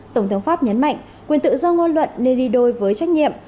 tổng thống pháp nhấn mạnh quyền tự do ngôn luận nên đi đôi với trách nhiệm